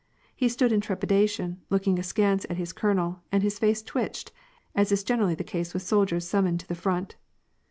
He stood in trepidation, looking askance at his colonel, and his face twitched, as is generally the case with soldiers summoned to the front.